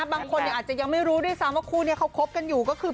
บางคนอาจจะยังไม่รู้ด้วยซ้ำว่าคู่นี้เขาคบกันอยู่ก็คือ